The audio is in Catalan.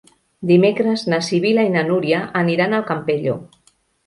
Dimecres na Sibil·la i na Núria aniran al Campello.